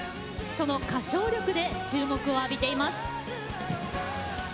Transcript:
その歌唱力で注目を浴びています。